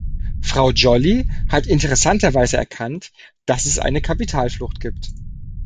Frau Joly hat interessanterweise erkannt, dass es eine Kapitalflucht gibt.